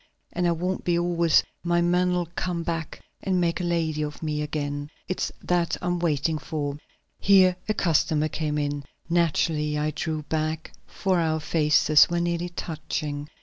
And I won't be always; my man'll come back and make a lady of me again. It's that I'm waiting for." Here a customer came in. Naturally I drew back, for our faces were nearly touching.